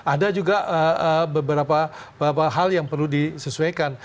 ada juga beberapa hal yang perlu disesuaikan